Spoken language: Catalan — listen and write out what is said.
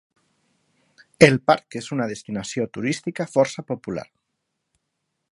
El parc és una destinació turística força popular.